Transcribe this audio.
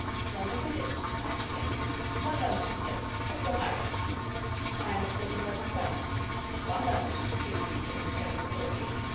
"Well, what is it?" I exclaimed. "One moment, monsieur. What's your hurry?" "I am escorting mademoiselle." "One moment," he repeated, in a tone of authority.